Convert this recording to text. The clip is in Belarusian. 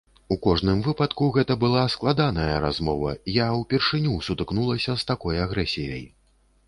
У кожным выпадку, гэта была складаная размова, я ўпершыню сутыкнулася з такой агрэсіяй.